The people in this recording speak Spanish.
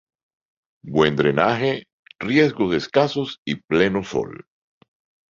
Buen drenaje, riegos escasos y pleno sol.